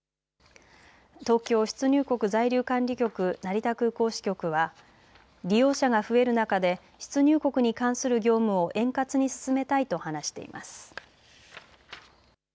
東京出入国在留管理局成田空港支局は利用者が増える中で出入国に関する業務を円滑に進めたいと話しています。